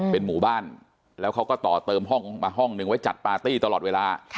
เป็นหมู่บ้านแล้วเขาก็ต่อเติมห้องหนึ่งไว้จัดปาร์ตี้ตลอดเวลา